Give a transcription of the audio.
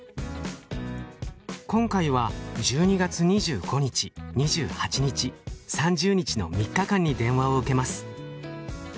今回は１２月２５日２８日３０日の３日間に電話を受けます。